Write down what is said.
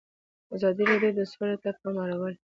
ازادي راډیو د سوله ته پام اړولی.